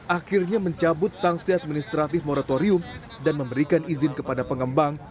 akhirnya mencabut sanksi administratif moratorium dan memberikan izin kepada pengembang